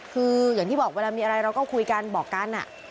คืออย่างที่บอกเวลามีอะไรเราก็คุยกันบอกกัน